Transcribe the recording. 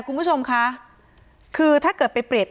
ที่มีข่าวเรื่องน้องหายตัว